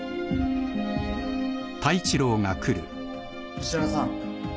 ・石原さん。